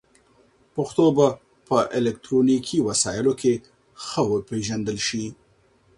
پښتو به په الکترونیکي وسایلو کې ښه وپېژندل شي.